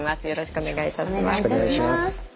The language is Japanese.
よろしくお願いします。